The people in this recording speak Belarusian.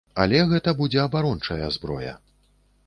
Але гэта будзе абарончая зброя.